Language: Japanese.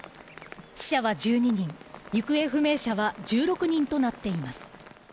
死者は１２人、行方不明者は１６人となっています。